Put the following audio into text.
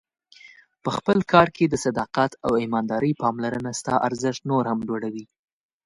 په خپل کار کې د صداقت او ایماندارۍ پاملرنه ستا ارزښت نور هم لوړوي.